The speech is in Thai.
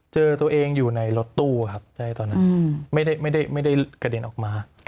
เจอตัวเองอยู่ในรถตู้ครับไม่ได้กระเด็นออกมา